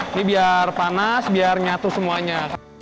ini biar panas biar nyatu semuanya